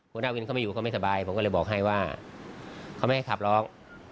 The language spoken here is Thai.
หัวหน้าวินเขาไม่อยู่เขาไม่สบายผมก็เลยบอกให้ว่าเขาไม่ให้ขับร้อง